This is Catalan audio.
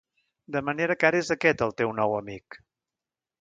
De manera que ara és aquest el teu nou amic!